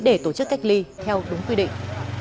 để tổ chức cách ly theo đúng quy định